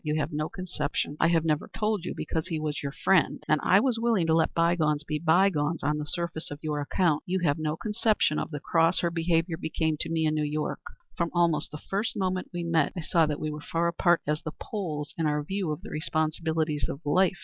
You have no conception I have never told you, because he was your friend, and I was willing to let bygones be bygones on the surface on your account you have no conception of the cross her behavior became to me in New York. From almost the first moment we met I saw that we were far apart as the poles in our views of the responsibilities of life.